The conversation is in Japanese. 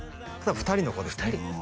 ２人の子ですね